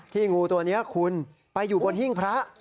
งูตัวนี้คุณไปอยู่บนหิ้งพระ